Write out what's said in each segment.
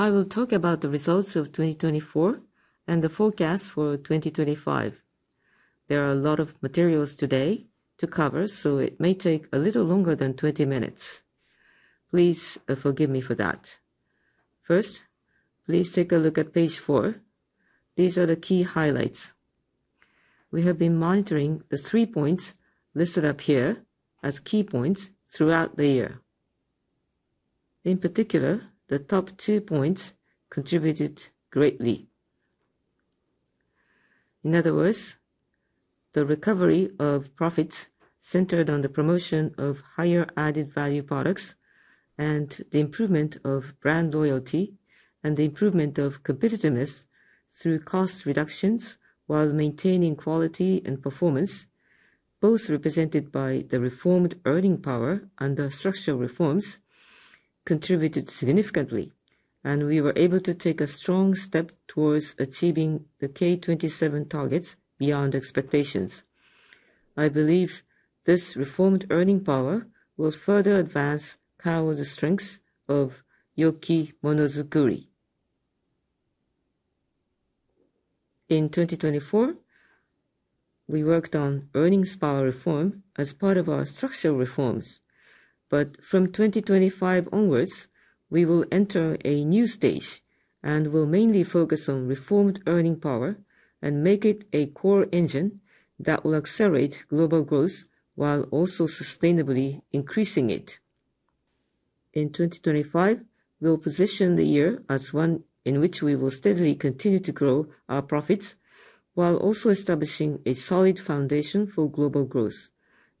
I will talk about the results of 2024 and the forecast for 2025. There are a lot of materials today to cover, so it may take a little longer than 20 minutes. Please forgive me for that. First, please take a look at page four. These are the key highlights. We have been monitoring the three points listed up here as key points throughout the year. In particular, the top two points contributed greatly. In other words, the recovery of profits centered on the promotion of higher added value products and the improvement of brand loyalty and the improvement of competitiveness through cost reductions while maintaining quality and performance, both represented by the reformed earning power under structural reforms, contributed significantly, and we were able to take a strong step towards achieving the K27 targets beyond expectations. I believe this reformed earning power will further advance Kao's strengths of Yoki-Monozukuri. In 2024, we worked on earnings power reform as part of our structural reforms, but from 2025 onwards, we will enter a new stage and will mainly focus on reformed earning power and make it a core engine that will accelerate global growth while also sustainably increasing it. In 2025, we'll position the year as one in which we will steadily continue to grow our profits while also establishing a solid foundation for global growth.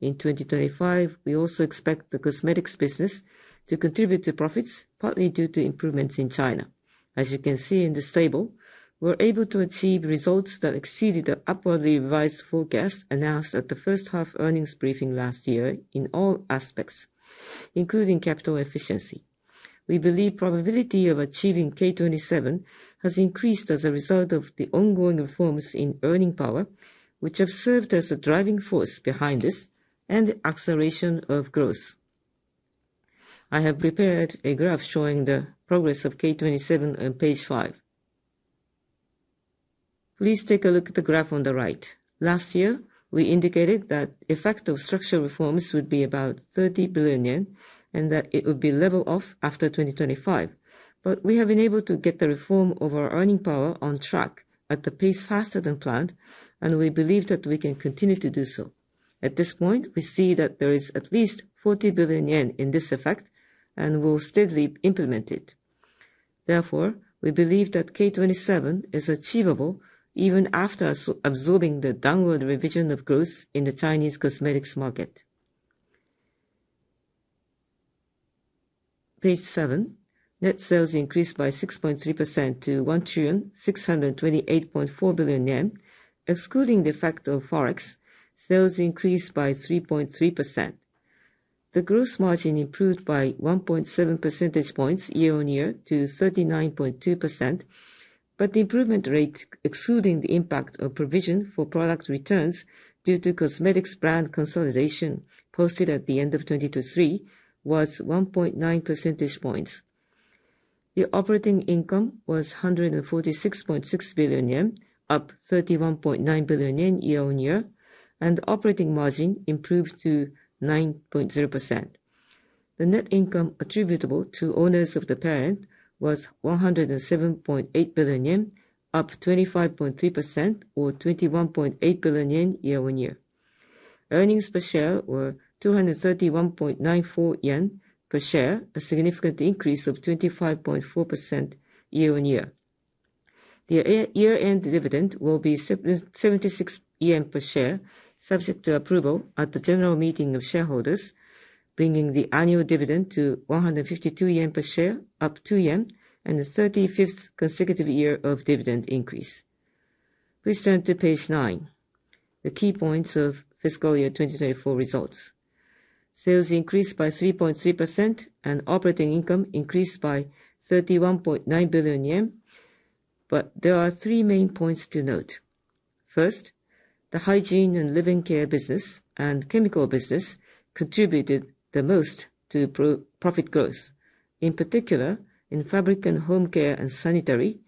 In 2025, we also expect the cosmetics business to contribute to profits, partly due to improvements in China. As you can see in this table, we were able to achieve results that exceeded the upwardly revised forecast announced at the first half earnings briefing last year in all aspects, including capital efficiency. We believe the probability of achieving K27 has increased as a result of the ongoing reforms in earning power, which have served as a driving force behind this and the acceleration of growth. I have prepared a graph showing the progress of K27 on page 5. Please take a look at the graph on the right. Last year, we indicated that the effect of structural reforms would be about 30 billion yen and that it would be leveled off after 2025, but we have been able to get the reform of our earning power on track at the pace faster than planned, and we believe that we can continue to do so. At this point, we see that there is at least 40 billion yen in this effect and will steadily implement it. Therefore, we believe that K27 is achievable even after absorbing the downward revision of growth in the Chinese cosmetics market. Page seven, net sales increased by 6.3% to 1 trillion 628.4 billion. Excluding the effect of Forex, sales increased by 3.3%. The gross margin improved by 1.7 percentage points year-on-year to 39.2%, but the improvement rate, excluding the impact of provision for product returns due to cosmetics brand consolidation posted at the end of 2023, was 1.9 percentage points. The operating income was 146.6 billion yen, up 31.9 billion yen year-on-year, and the operating margin improved to 9.0%. The net income attributable to owners of the parent was 107.8 billion yen, up 25.3% or 21.8 billion yen year-on-year. Earnings per share were 231.94 yen per share, a significant increase of 25.4% year-on-year. The year-end dividend will be 76 yen per share subject to approval at the general meeting of shareholders, bringing the annual dividend to 152 yen per share, up 2 yen in the 35th consecutive year of dividend increase. Please turn to page nine, the key points of fiscal year 2024 results. Sales increased by 3.3% and operating income increased by 31.9 billion yen, but there are three main points to note. First, the hygiene and living care business and chemical business contributed the most to profit growth. In particular, in Fabric and Home Care and Sanitary,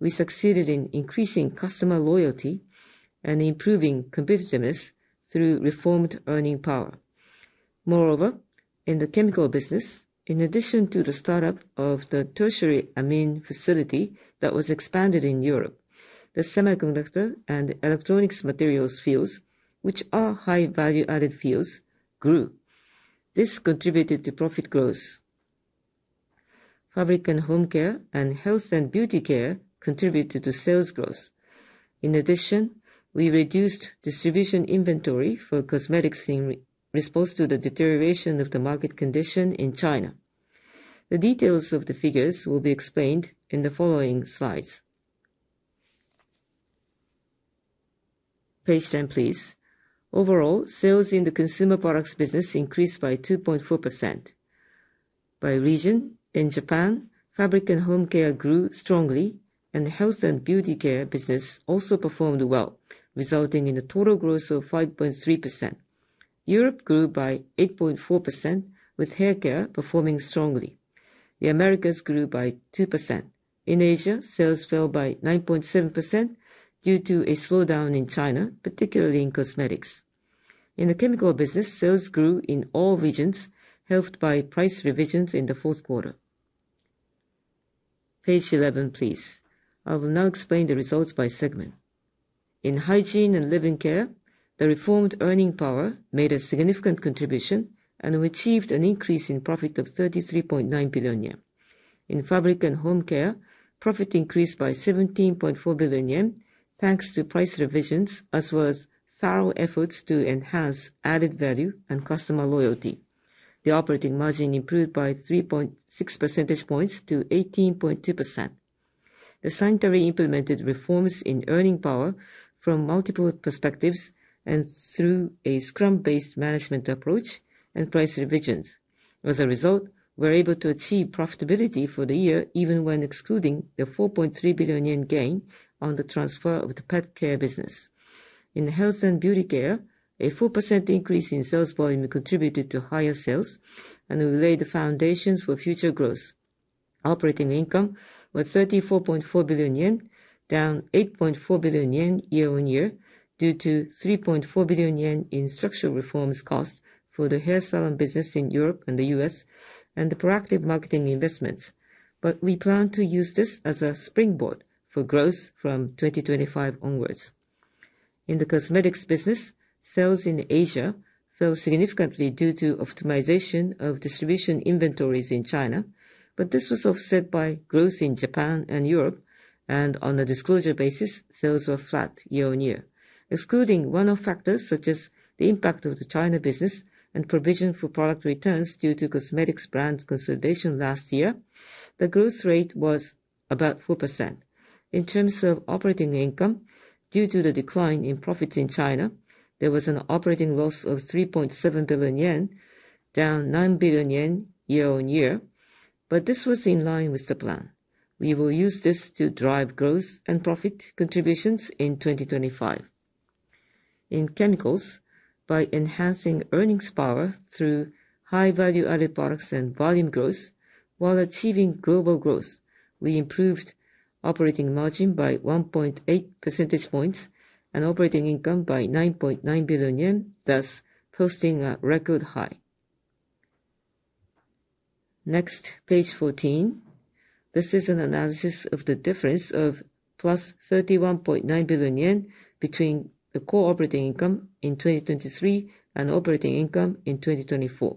we succeeded in increasing customer loyalty and improving competitiveness through reformed earning power. Moreover, in the chemical business, in addition to the startup of the tertiary amine facility that was expanded in Europe, the semiconductor and electronics materials fields, which are high value-added fields, grew. This contributed to profit growth. Fabric and home care and health and beauty care contributed to sales growth. In addition, we reduced distribution inventory for cosmetics in response to the deterioration of the market condition in China. The details of the figures will be explained in the following slides. Page 10, please. Overall, sales in the consumer products business increased by 2.4%. By region, in Japan, Fabric and Home Care grew strongly, and the health and beauty care business also performed well, resulting in a total growth of 5.3%. Europe grew by 8.4%, with Hair Care performing strongly. The Americas grew by 2%. In Asia, sales fell by 9.7% due to a slowdown in China, particularly in cosmetics. In the chemical business, sales grew in all regions, helped by price revisions in the Q4. Page 11, please. I will now explain the results by segment. In hygiene and living care, the reformed earning power made a significant contribution and achieved an increase in profit of 33.9 billion yen. In fabric and home care, profit increased by 17.4 billion yen, thanks to price revisions as well as thorough efforts to enhance added value and customer loyalty. The operating margin improved by 3.6 percentage points to 18.2%. The Sanitary implemented reforms in earning power from multiple perspectives and through a Scrum-based management approach and price revisions. As a result, we were able to achieve profitability for the year even when excluding the 4.3 billion yen gain on the transfer of the pet care business. In Health and Beauty Care, a 4% increase in sales volume contributed to higher sales and laid the foundations for future growth. Operating income was 34.4 billion yen, down 8.4 billion yen year-on-year due to 3.4 billion yen in structural reforms cost for the hair salon business in Europe and the US and the proactive marketing investments, but we plan to use this as a springboard for growth from 2025 onwards. In the cosmetics business, sales in Asia fell significantly due to optimization of distribution inventories in China, but this was offset by growth in Japan and Europe, and on a disclosure basis, sales were flat year-on-year. Excluding one-off factors such as the impact of the China business and provision for product returns due to cosmetics brand consolidation last year, the growth rate was about 4%. In terms of operating income, due to the decline in profits in China, there was an operating loss of 3.7 billion yen, down 9 billion yen year-on-year, but this was in line with the plan. We will use this to drive growth and profit contributions in 2025. In chemicals, by enhancing earnings power through high value-added products and volume growth while achieving global growth, we improved operating margin by 1.8 percentage points and operating income by 9.9 billion yen, thus posting a record high. Next, page 14. This is an analysis of the difference of plus 31.9 billion yen between the core operating income in 2023 and operating income in 2024.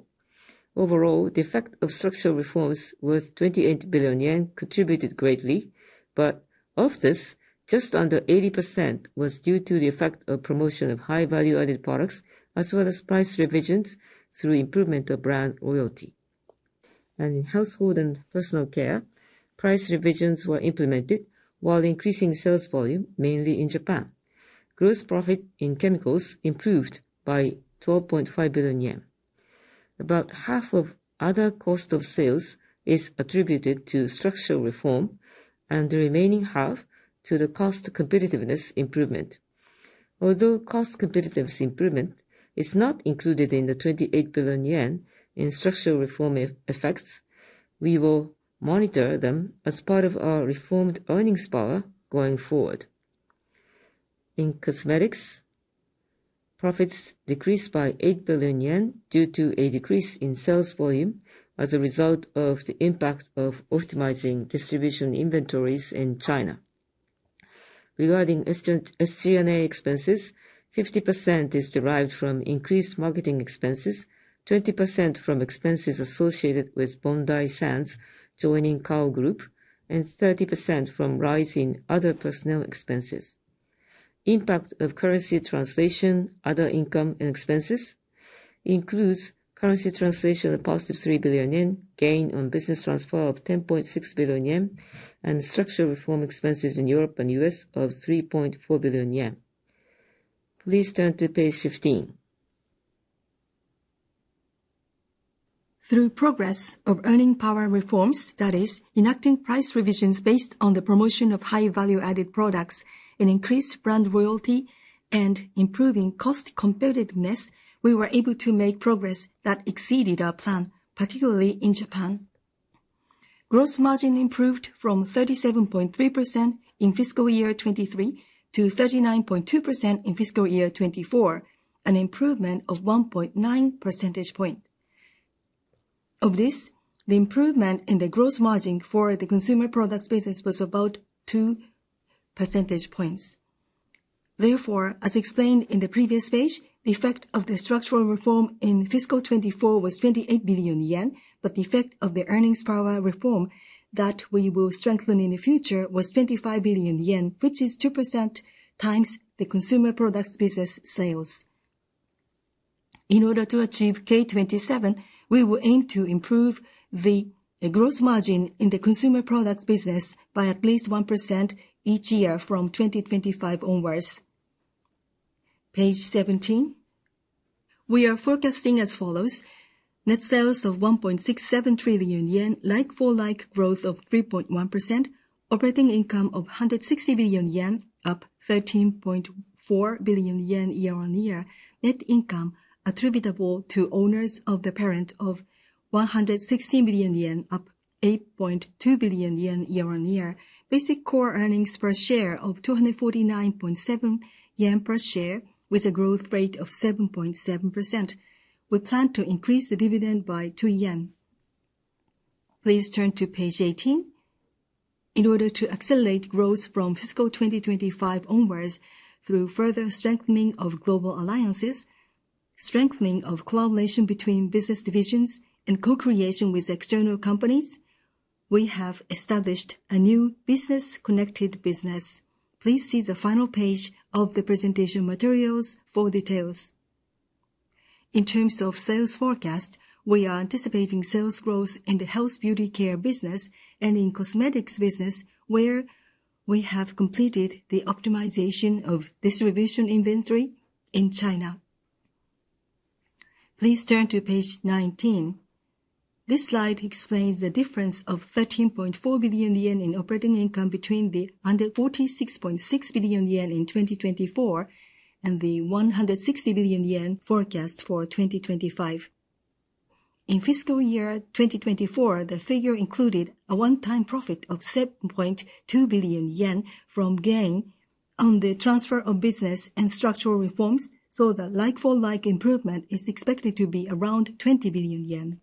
Overall, the effect of structural reforms was 28 billion yen contributed greatly, but of this, just under 80% was due to the effect of promotion of high value-added products as well as price revisions through improvement of brand loyalty, and in household and personal care, price revisions were implemented while increasing sales volume, mainly in Japan. Gross profit in chemicals improved by 12.5 billion yen. About half of other cost of sales is attributed to structural reform and the remaining half to the cost competitiveness improvement. Although cost competitiveness improvement is not included in the 28 billion yen in structural reform effects, we will monitor them as part of our reformed earnings power going forward. In cosmetics, profits decreased by 8 billion yen due to a decrease in sales volume as a result of the impact of optimizing distribution inventories in China. Regarding SG&A expenses, 50% is derived from increased marketing expenses, 20% from expenses associated with Bondi Sands joining Kao Group, and 30% from rising other personnel expenses. Impact of currency translation, other income and expenses includes currency translation of positive 3 billion yen, gain on business transfer of 10.6 billion yen, and structural reform expenses in Europe and US of 3.4 billion yen. Please turn to page 15. Through progress of earning power reforms, that is, enacting price revisions based on the promotion of high value-added products and increased brand loyalty and improving cost competitiveness, we were able to make progress that exceeded our plan, particularly in Japan. Gross margin improved from 37.3% in fiscal year 2023 to 39.2% in fiscal year 2024, an improvement of 1.9 percentage points. Of this, the improvement in the gross margin for the consumer products business was about 2 percentage points. Therefore, as explained in the previous page, the effect of the structural reform in fiscal 2024 was 28 billion yen, but the effect of the earnings power reform that we will strengthen in the future was 25 billion yen, which is 2% times the consumer products business sales. In order to achieve K27, we will aim to improve the gross margin in the consumer products business by at least 1% each year from 2025 onwards. Page 17. We are forecasting as follows. Net sales of 1.67 trillion yen, like-for-like growth of 3.1%, operating income of 160 billion yen, up 13.4 billion yen year-on-year, net income attributable to owners of the parent of 160 billion yen, up 8.2 billion yen year-on-year, basic core earnings per share of 249.7 yen per share with a growth rate of 7.7%. We plan to increase the dividend by 2 yen. Please turn to page 18. In order to accelerate growth from fiscal 2025 onwards through further strengthening of global alliances, strengthening of collaboration between business divisions, and co-creation with external companies, we have established a new business-connected business. Please see the final page of the presentation materials for details. In terms of sales forecast, we are anticipating sales growth in the health beauty care business and in cosmetics business where we have completed the optimization of distribution inventory in China. Please turn to page 19. This slide explains the difference of 13.4 billion yen in operating income between the 146.6 billion yen in 2024 and the 160 billion yen forecast for 2025. In fiscal year 2024, the figure included a one-time profit of 7.2 billion yen from gain on the transfer of business and structural reforms, so the like-for-like improvement is expected to be around 20 billion yen.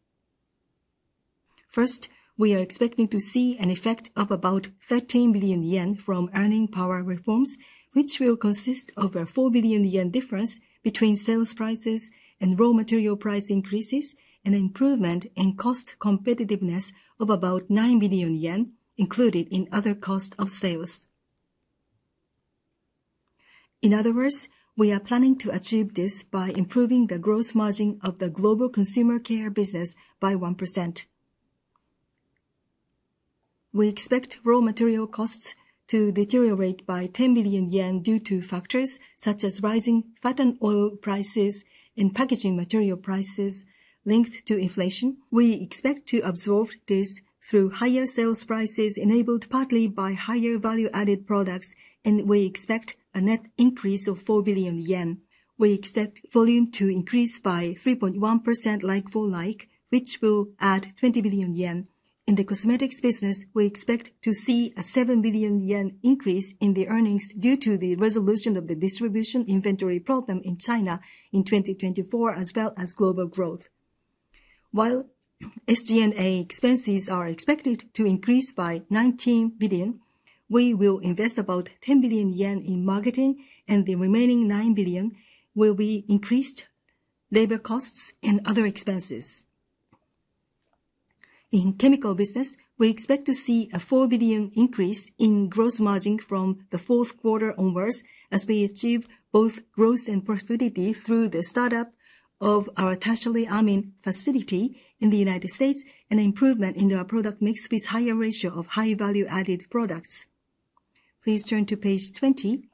First, we are expecting to see an effect of about 13 billion yen from earning power reforms, which will consist of a 4 billion yen difference between sales prices and raw material price increases and an improvement in cost competitiveness of about 9 billion yen included in other cost of sales. In other words, we are planning to achieve this by improving the gross margin of the global consumer care business by 1%. We expect raw material costs to deteriorate by 10 billion yen due to factors such as rising palm oil prices and packaging material prices linked to inflation. We expect to absorb this through higher sales prices enabled partly by higher value-added products, and we expect a net increase of 4 billion yen. We expect volume to increase by 3.1% like-for-like, which will add 20 billion yen. In the cosmetics business, we expect to see a seven billion yen increase in the earnings due to the resolution of the distribution inventory problem in China in 2024, as well as global growth. While SG&A expenses are expected to increase by 19 billion, we will invest about 10 billion yen in marketing, and the remaining nine billion will be increased labor costs and other expenses. In chemical business, we expect to see a four billion increase in gross margin from the Q4 onwards as we achieve both growth and profitability through the startup of our tertiary amine facility in the United States and improvement in our product mix with higher ratio of high value-added products. Please turn to page 20.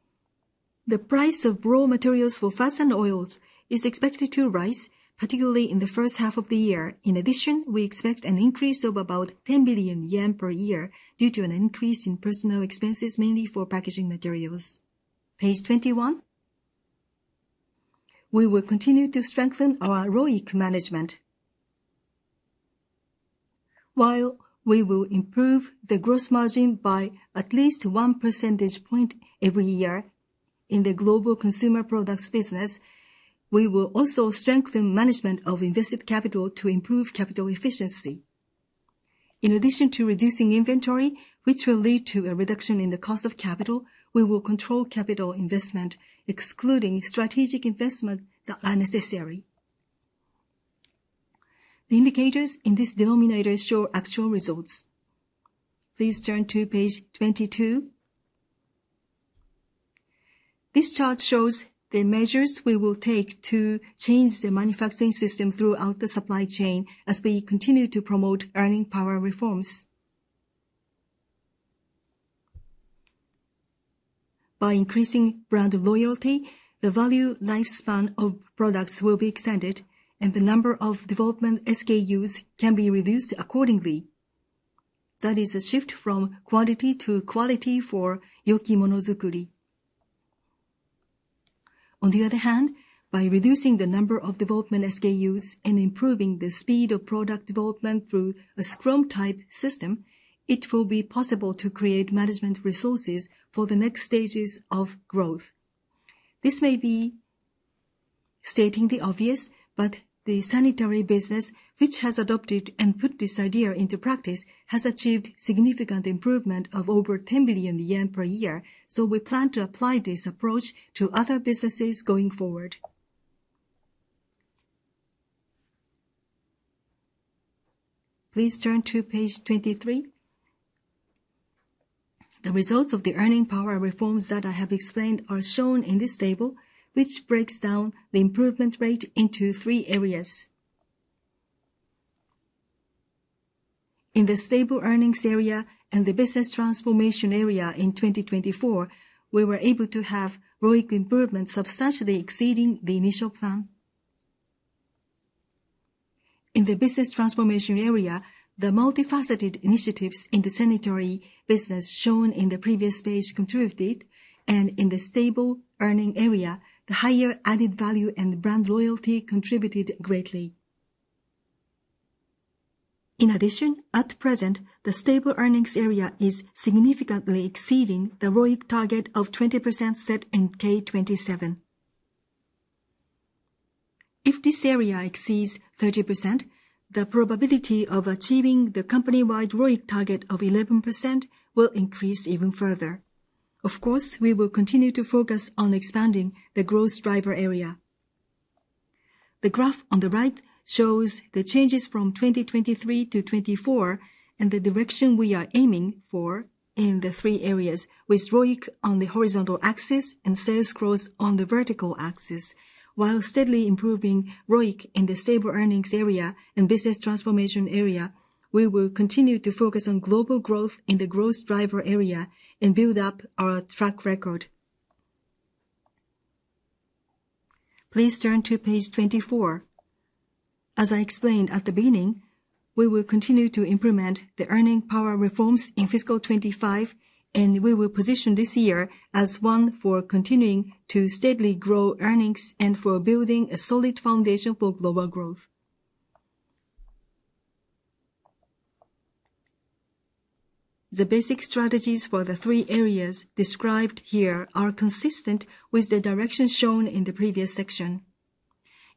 The price of raw materials for fats and oils is expected to rise, particularly in the first half of the year. In addition, we expect an increase of about 10 billion yen per year due to an increase in personal expenses, mainly for packaging materials. Page 21. We will continue to strengthen our ROIC management. While we will improve the gross margin by at least 1 percentage point every year in the global consumer products business, we will also strengthen management of invested capital to improve capital efficiency. In addition to reducing inventory, which will lead to a reduction in the cost of capital, we will control capital investment, excluding strategic investment that are necessary. The indicators in this denominator show actual results. Please turn to page 22. This chart shows the measures we will take to change the manufacturing system throughout the supply chain as we continue to promote earning power reforms. By increasing brand loyalty, the value lifespan of products will be extended, and the number of development SKUs can be reduced accordingly. That is a shift from quantity to quality for Yoki-Monozukuri. On the other hand, by reducing the number of development SKUs and improving the speed of product development through a scrum-type system, it will be possible to create management resources for the next stages of growth. This may be stating the obvious, but the sanitary business, which has adopted and put this idea into practice, has achieved significant improvement of over 10 billion yen per year, so we plan to apply this approach to other businesses going forward. Please turn to page 23. The results of the earning power reforms that I have explained are shown in this table, which breaks down the improvement rate into three areas. In the stable earnings area and the business transformation area in 2024, we were able to have ROIC improvements substantially exceeding the initial plan. In the business transformation area, the multifaceted initiatives in the sanitary business shown in the previous page contributed, and in the stable earning area, the higher added value and brand loyalty contributed greatly. In addition, at present, the stable earnings area is significantly exceeding the ROIC target of 20% set in K27. If this area exceeds 30%, the probability of achieving the company-wide ROIC target of 11% will increase even further. Of course, we will continue to focus on expanding the growth driver area. The graph on the right shows the changes from 2023 to 2024 and the direction we are aiming for in the three areas, with ROIC on the horizontal axis and sales growth on the vertical axis. While steadily improving ROIC in the stable earnings area and business transformation area, we will continue to focus on global growth in the growth driver area and build up our track record. Please turn to page 24. As I explained at the beginning, we will continue to implement the earning power reforms in fiscal 2025, and we will position this year as one for continuing to steadily grow earnings and for building a solid foundation for global growth. The basic strategies for the three areas described here are consistent with the direction shown in the previous section.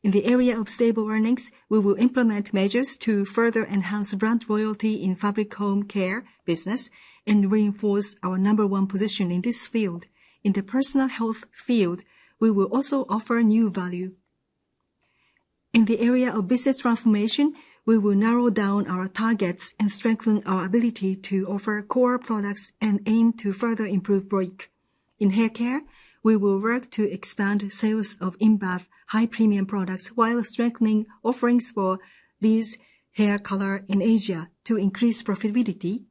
In the area of stable earnings, we will implement measures to further enhance brand loyalty in Fabric and Home Care business and reinforce our number one position in this field. In the personal health field, we will also offer new value. In the area of business transformation, we will narrow down our targets and strengthen our ability to offer core products and aim to further improve ROIC. In hair care, we will work to expand sales of in-bath high premium products while strengthening offerings for these hair colors in Asia to increase profitability.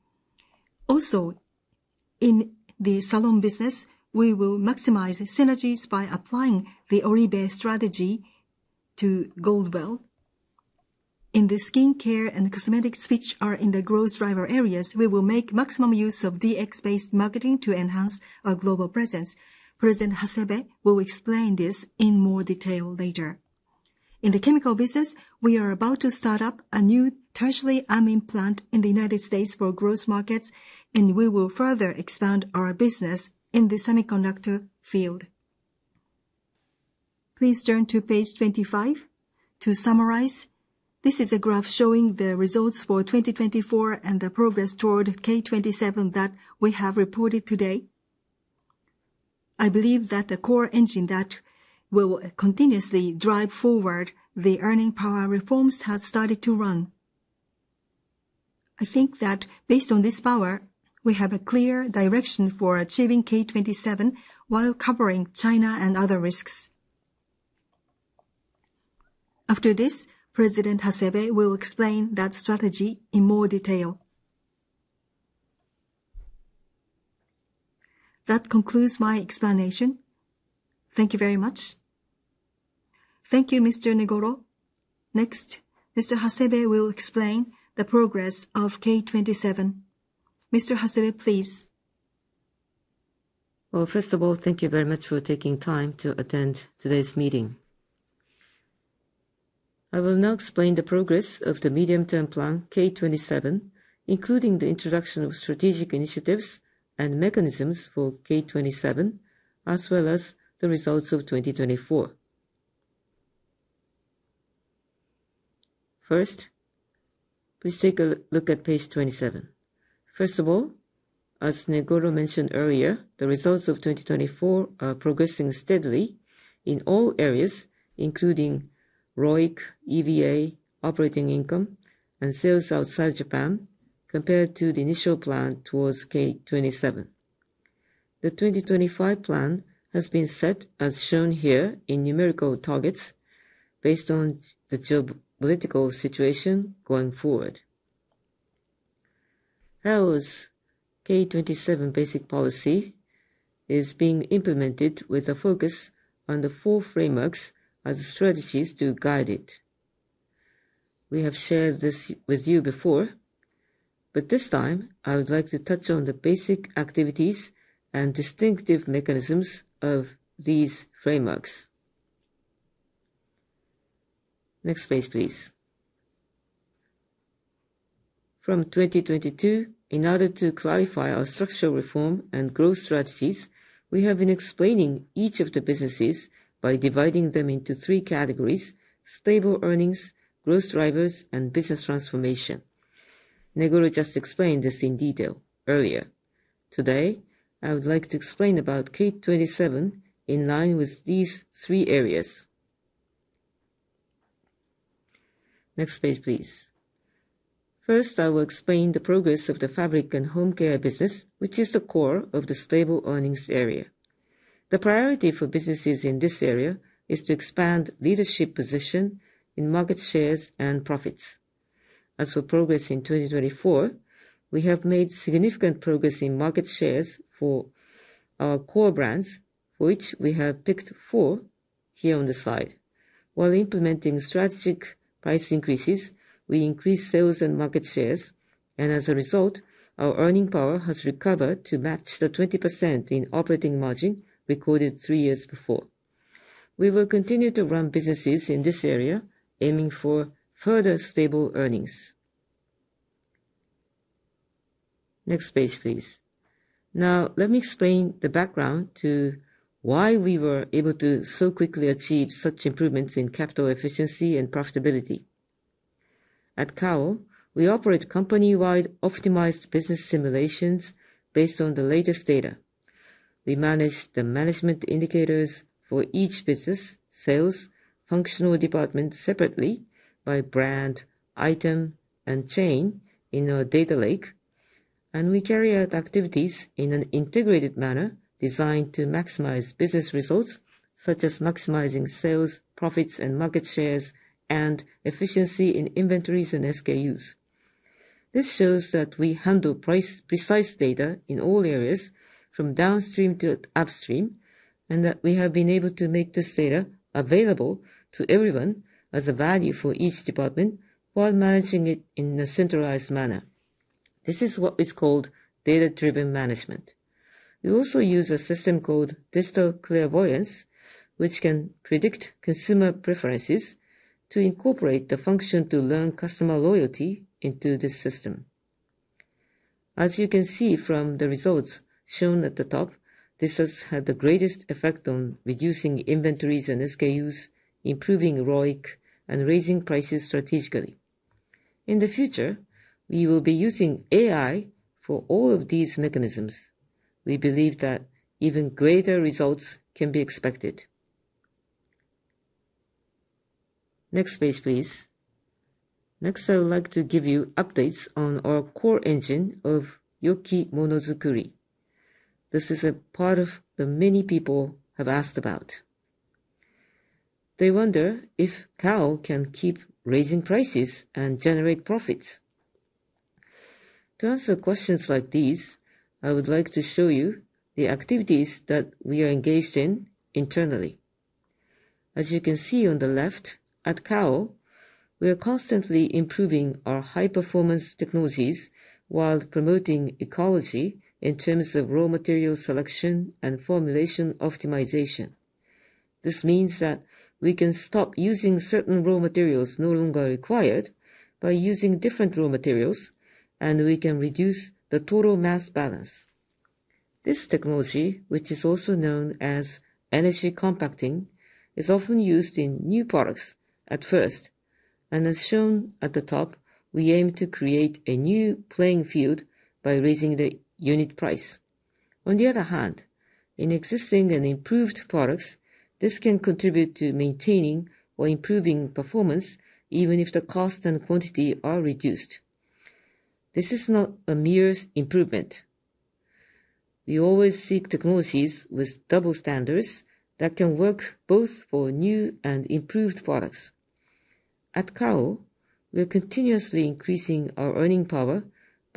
Also, in the salon business, we will maximize synergies by applying the Oribe strategy to Goldwell. In the skincare and cosmetics which are in the growth driver areas, we will make maximum use of DX-based marketing to enhance our global presence. President Hasebe will explain this in more detail later. In the chemical business, we are about to start up a new tertiary amine plant in the United States for growth markets, and we will further expand our business in the semiconductor field. Please turn to page 25. To summarize, this is a graph showing the results for 2024 and the progress toward K27 that we have reported today. I believe that the core engine that will continuously drive forward the earning power reforms has started to run. I think that based on this power, we have a clear direction for achieving K27 while covering China and other risks. After this, President Hasebe will explain that strategy in more detail. That concludes my explanation. Thank you very much. Thank you, Mr. Negoro. Next, Mr. Hasebe will explain the progress of K27. Mr. Hasebe, please. Well, first of all, thank you very much for taking time to attend today's meeting. I will now explain the progress of the medium-term plan K27, including the introduction of strategic initiatives and mechanisms for K27, as well as the results of 2024. First, please take a look at page 27. First of all, as Negoro mentioned earlier, the results of 2024 are progressing steadily in all areas, including ROIC, EVA, operating income, and sales outside Japan, compared to the initial plan towards K27. The 2025 plan has been set, as shown here, in numerical targets based on the geopolitical situation going forward. How is K27 basic policy being implemented with a focus on the four frameworks as strategies to guide it. We have shared this with you before, but this time, I would like to touch on the basic activities and distinctive mechanisms of these frameworks. Next page, please. From 2022, in order to clarify our structural reform and growth strategies, we have been explaining each of the businesses by dividing them into three categories: stable earnings, growth drivers, and business transformation. Negoro just explained this in detail earlier. Today, I would like to explain about K27 in line with these three areas. Next page, please. First, I will explain the progress of the fabric and home care business, which is the core of the stable earnings area. The priority for businesses in this area is to expand leadership position in market shares and profits. As for progress in 2024, we have made significant progress in market shares for our core brands, for which we have picked four here on the side. While implementing strategic price increases, we increased sales and market shares, and as a result, our earning power has recovered to match the 20% in operating margin recorded three years before. We will continue to run businesses in this area, aiming for further stable earnings. Next page, please. Now, let me explain the background to why we were able to so quickly achieve such improvements in capital efficiency and profitability. At Kao, we operate company-wide optimized business simulations based on the latest data. We manage the management indicators for each business, sales, functional department separately by brand, item, and chain in our data lake, and we carry out activities in an integrated manner designed to maximize business results, such as maximizing sales, profits, and market shares, and efficiency in inventories and SKUs. This shows that we handle precise price data in all areas, from downstream to upstream, and that we have been able to make this data available to everyone as a value for each department while managing it in a centralized manner. This is what is called data-driven management. We also use a system called Digital Clairvoyance, which can predict consumer preferences to incorporate the function to learn customer loyalty into this system. As you can see from the results shown at the top, this has had the greatest effect on reducing inventories and SKUs, improving ROIC, and raising prices strategically. In the future, we will be using AI for all of these mechanisms. We believe that even greater results can be expected. Next page, please. Next, I would like to give you updates on our core engine of Yoki-Monozukuri. This is a part of the many people have asked about. They wonder if Kao can keep raising prices and generate profits. To answer questions like these, I would like to show you the activities that we are engaged in internally. As you can see on the left, at Kao, we are constantly improving our high-performance technologies while promoting ecology in terms of raw material selection and formulation optimization. This means that we can stop using certain raw materials no longer required by using different raw materials, and we can reduce the total mass balance. This technology, which is also known as Energy Compacting, is often used in new products at first, and as shown at the top, we aim to create a new playing field by raising the unit price. On the other hand, in existing and improved products, this can contribute to maintaining or improving performance even if the cost and quantity are reduced. This is not a mere improvement. We always seek technologies with double standards that can work both for new and improved products. At Kao, we are continuously increasing our earning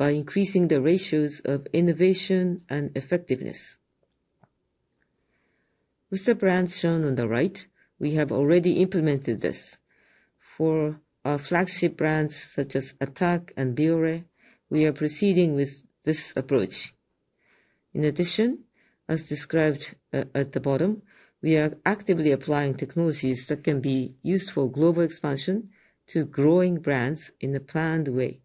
power by increasing the ratios of innovation and effectiveness. With the brands shown on the right, we have already implemented this. For our flagship brands such as Attack and Bioré, we are proceeding with this approach. In addition, as described at the bottom, we are actively applying technologies that can be used for global expansion to growing brands in a planned way,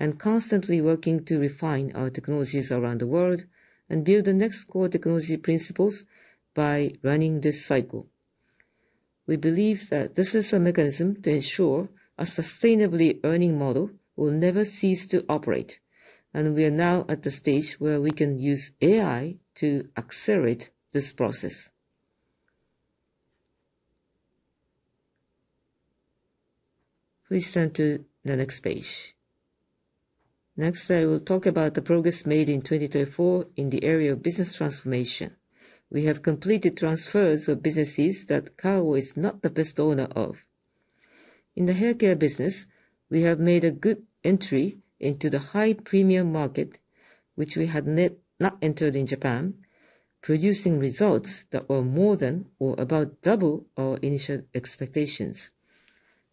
and constantly working to refine our technologies around the world and build the next core technology principles by running this cycle. We believe that this is a mechanism to ensure a sustainably earning model will never cease to operate, and we are now at the stage where we can use AI to accelerate this process. Please turn to the next page. Next, I will talk about the progress made in 2024 in the area of business transformation. We have completed transfers of businesses that Kao is not the best owner of. In the hair care business, we have made a good entry into the high premium market, which we had not entered in Japan, producing results that were more than or about double our initial expectations.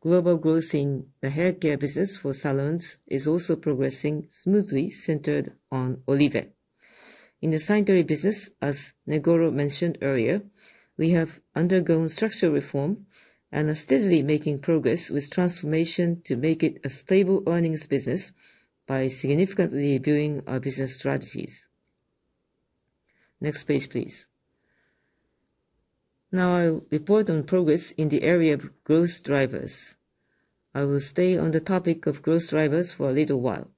Global growth in the hair care business for salons is also progressing smoothly centered on Oribe. In the sanitary business, as Negoro mentioned earlier, we have undergone structural reform and are steadily making progress with transformation to make it a stable earnings business by significantly reviewing our business strategies. Next page, please. Now, I'll report on progress in the area of growth drivers. I will stay on the topic of growth drivers for a little while.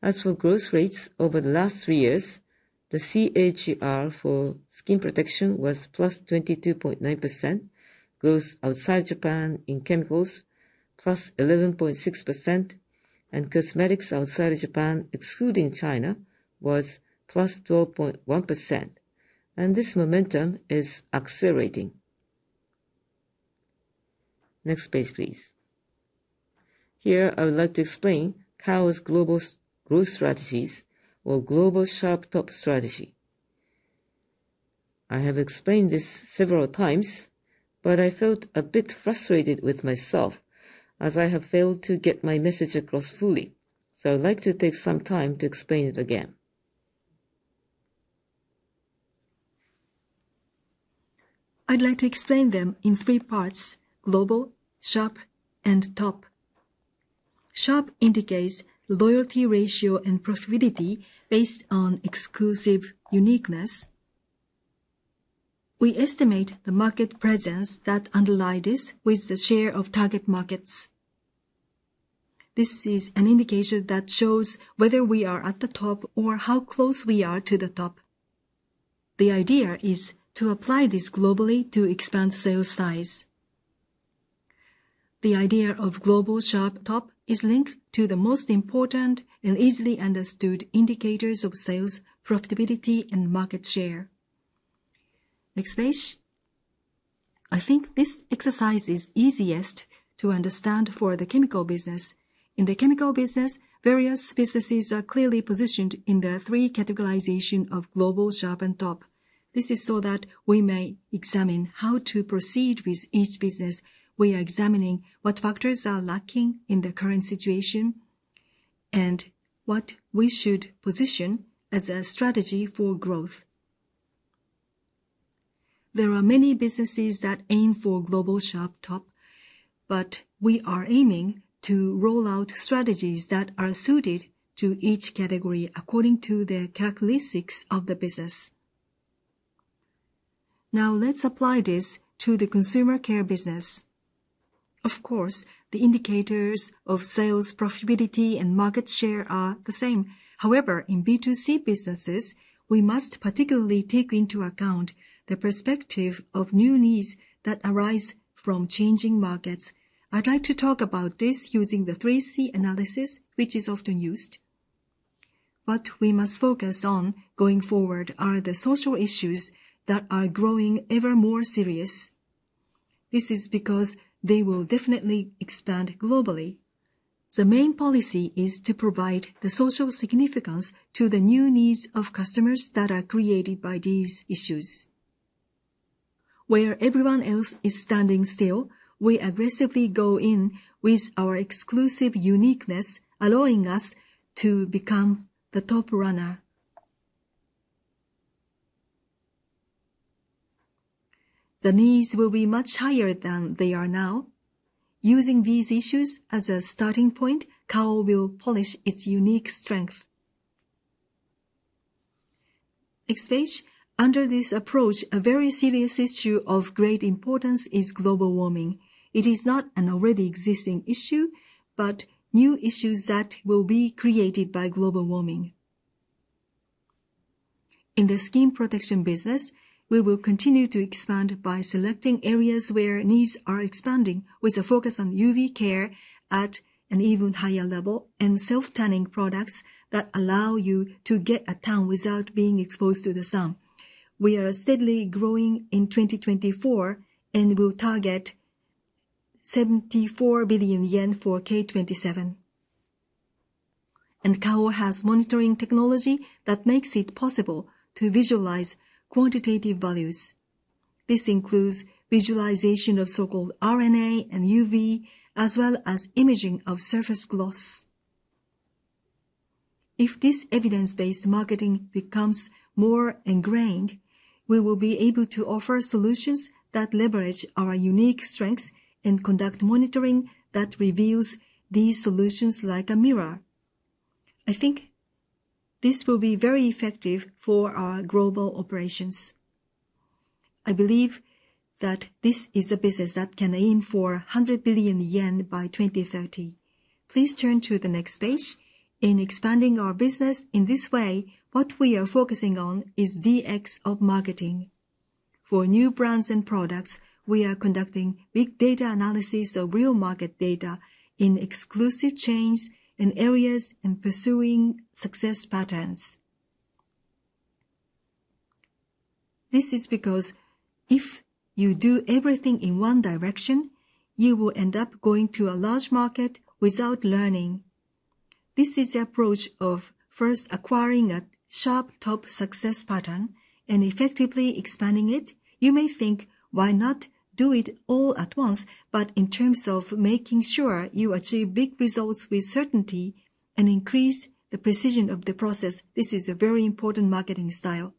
As for growth rates over the last three years, the CAGR for Skin Protection was plus 22.9%, growth outside Japan in chemicals plus 11.6%, and cosmetics outside of Japan, excluding China, was plus 12.1%. And this momentum is accelerating. Next page, please. Here, I would like to explain Kao's global growth strategies or Global Sharp Top strategy. I have explained this several times, but I felt a bit frustrated with myself as I have failed to get my message across fully. So I'd like to take some time to explain it again. I'd like to explain them in three parts: Global, Sharp, and Top. Sharp indicates loyalty ratio and profitability based on exclusive uniqueness. We estimate the market presence that underlies this with the share of target markets. This is an indication that shows whether we are at the top or how close we are to the top. The idea is to apply this globally to expand sales size. The idea of Global Sharp Top is linked to the most important and easily understood indicators of sales, profitability, and market share. Next page. I think this exercise is easiest to understand for the chemical business. In the chemical business, various businesses are clearly positioned in the three categorizations of global, sharp, and top. This is so that we may examine how to proceed with each business. We are examining what factors are lacking in the current situation and what we should position as a strategy for growth. There are many businesses that aim for Global Sharp Top, but we are aiming to roll out strategies that are suited to each category according to the characteristics of the business. Now, let's apply this to the consumer care business. Of course, the indicators of sales, profitability, and market share are the same. However, in B2C businesses, we must particularly take into account the perspective of new needs that arise from changing markets. I'd like to talk about this using the 3C Analysis, which is often used. What we must focus on going forward are the social issues that are growing ever more serious. This is because they will definitely expand globally. The main policy is to provide the social significance to the new needs of customers that are created by these issues. Where everyone else is standing still, we aggressively go in with our exclusive uniqueness, allowing us to become the top runner. The needs will be much higher than they are now. Using these issues as a starting point, Kao will polish its unique strength. Next page. Under this approach, a very serious issue of great importance is global warming. It is not an already existing issue, but new issues that will be created by global warming. In the skin protection business, we will continue to expand by selecting areas where needs are expanding, with a focus on UV care at an even higher level and self-tanning products that allow you to get a tan without being exposed to the sun. We are steadily growing in 2024 and will target 74 billion yen for K27. Kao has monitoring technology that makes it possible to visualize quantitative values. This includes visualization of so-called RNA and UV, as well as imaging of surface gloss. If this evidence-based marketing becomes more ingrained, we will be able to offer solutions that leverage our unique strengths and conduct monitoring that reveals these solutions like a mirror. I think this will be very effective for our global operations. I believe that this is a business that can aim for 100 billion yen by 2030. Please turn to the next page. In expanding our business in this way, what we are focusing on is DX of marketing. For new brands and products, we are conducting big data analysis of real market data in exclusive chains and areas and pursuing success patterns. This is because if you do everything in one direction, you will end up going to a large market without learning. This is the approach of first acquiring a sharp top success pattern and effectively expanding it. You may think, why not do it all at once, but in terms of making sure you achieve big results with certainty and increase the precision of the process, this is a very important marketing style.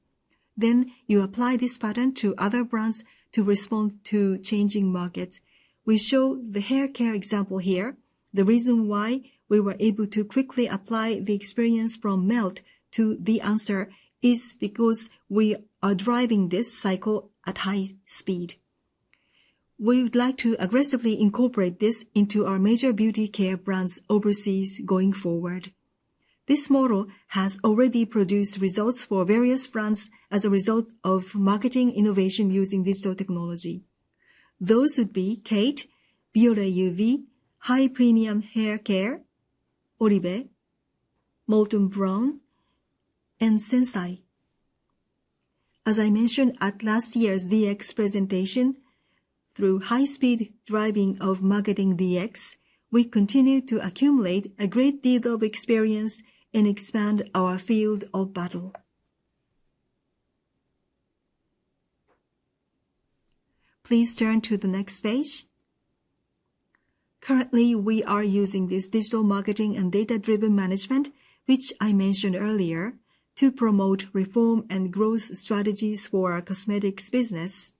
Then you apply this pattern to other brands to respond to changing markets. We show the hair care example here. The reason why we were able to quickly apply the experience from Melt to The Answer is because we are driving this cycle at high speed. We would like to aggressively incorporate this into our major beauty care brands overseas going forward. This model has already produced results for various brands as a result of marketing innovation using digital technology. Those would be KATE, Bioré UV, High Premium Hair Care, Oribe, Molton Brown, and SENSAI. As I mentioned at last year's DX presentation, through high-speed driving of marketing DX, we continue to accumulate a great deal of experience and expand our field of battle. Please turn to the next page. Currently, we are using this digital marketing and data-driven management, which I mentioned earlier, to promote reform and growth strategies for our cosmetics business.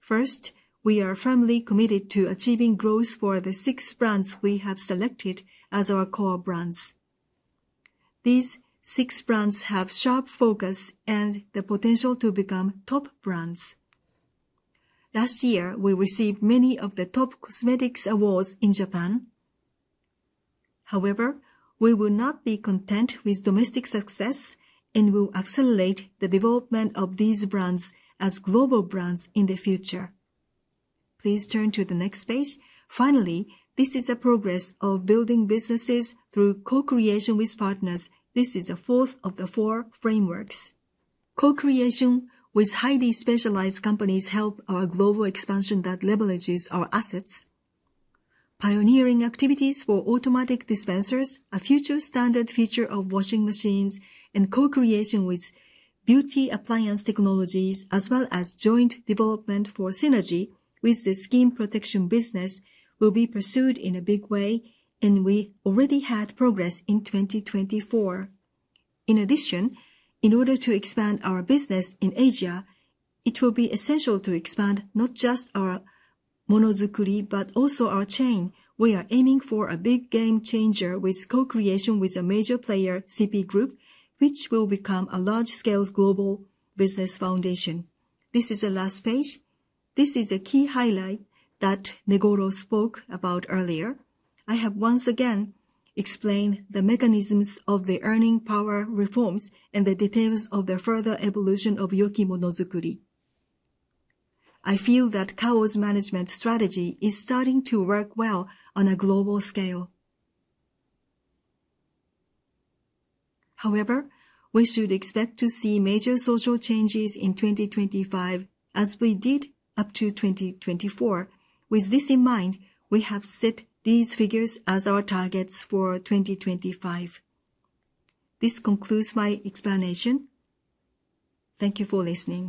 First, we are firmly committed to achieving growth for the six brands we have selected as our core brands. These six brands have sharp focus and the potential to become top brands. Last year, we received many of the top cosmetics awards in Japan. However, we will not be content with domestic success and will accelerate the development of these brands as global brands in the future. Please turn to the next page. Finally, this is a progress of building businesses through co-creation with partners. This is a fourth of the four frameworks. Co-creation with highly specialized companies helps our global expansion that leverages our assets. Pioneering activities for automatic dispensers, a future standard feature of washing machines, and co-creation with beauty appliance technologies, as well as joint development for synergy with the skin protection business, will be pursued in a big way, and we already had progress in 2024. In addition, in order to expand our business in Asia, it will be essential to expand not just our Monozukuri, but also our chain. We are aiming for a big game changer with co-creation with a major player, CP Group, which will become a large-scale global business foundation. This is the last page. This is a key highlight that Negoro spoke about earlier. I have once again explained the mechanisms of the earning power reforms and the details of the further evolution of Yoki-Monozukuri. I feel that Kao's management strategy is starting to work well on a global scale. However, we should expect to see major social changes in 2025, as we did up to 2024. With this in mind, we have set these figures as our targets for 2025. This concludes my explanation. Thank you for listening.